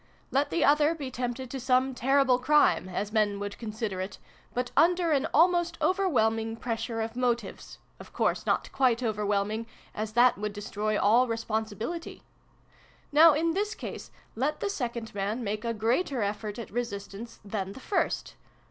Let the other be tempted to some terrible crime as men would consider it but under an almost overwhelming pressure of motives of course not quite overwhelming, as that would destroy all responsibility. Now, in this case, let the second man make a greater effort at resistance than the first.